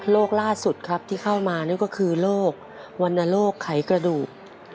ล่าสุดครับที่เข้ามานั่นก็คือโรควรรณโรคไขกระดูก